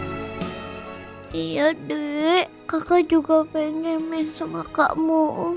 tapi kakak masih sakit ya kakak juga pengen main sama kamu